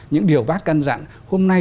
những điều bác căn dặn hôm nay